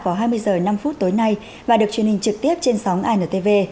vào hai mươi h năm tối nay và được truyền hình trực tiếp trên sóng intv